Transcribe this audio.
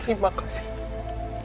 terima kasih kanjar